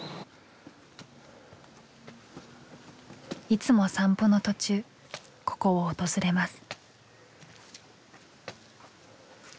いつも散歩の途中ここを訪れます。